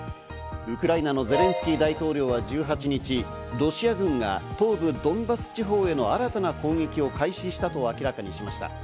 ウクライナのゼレンスキー大統領は１８日、ロシア軍が東部ドンバス地方への新たな攻撃を開始したと明らかにしました。